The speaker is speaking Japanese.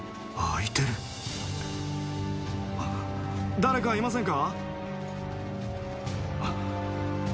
誰かいませんか？